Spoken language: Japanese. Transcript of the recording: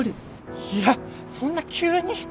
いやそんな急に。